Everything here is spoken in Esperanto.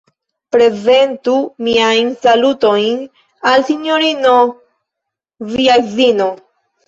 Prezentu miajn salutojn al Sinjorino via edzino!